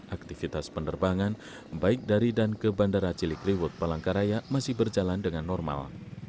aktivitas penerbangan baik dari dan ke bandara cilikriwut palangkaraya masih berjalan dengan normal